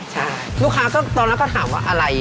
ใช่ลูกค้าก็ตอนนั้นก็ถามว่าอะไร